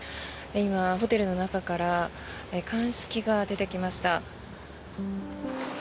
今、ホテルの中から鑑識が出てきました。